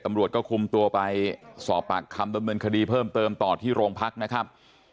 ตำรวจก็คุมตัวไปสอบปากคำดำเนินคดีเพิ่มเติมต่อที่โรงพักนะครับ